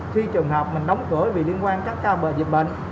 khi trường hợp mình đóng cửa vì liên quan các ca bệnh